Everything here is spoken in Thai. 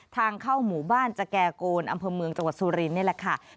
ทางเข้าหมู่บ้านสแก่โกนอำเภอเมืองจังหวัดสุรินนี่แหละค่ะ